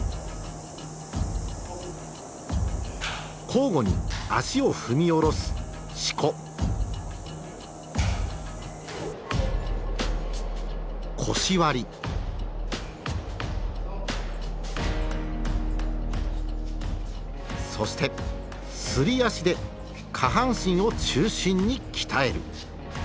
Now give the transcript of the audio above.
交互に足を踏み下ろすそして「すり足」で下半身を中心に鍛える。